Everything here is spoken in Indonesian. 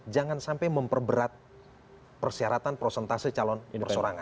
jangan sampai memperberat persyaratan prosentase calon persorangan